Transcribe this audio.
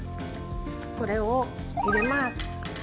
これを入れます。